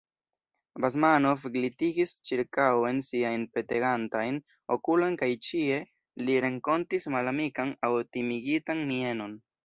Basmanov glitigis ĉirkaŭen siajn petegantajn okulojn kaj ĉie li renkontis malamikan aŭ timigitan mienon.